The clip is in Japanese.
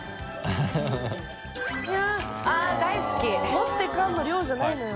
「持ってかん？」の量じゃないのよ。